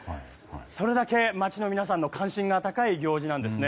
それだけ、街の皆さんの関心が高い行事なんです。